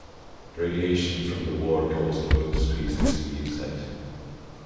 Radiation from the war caused both species to mutate.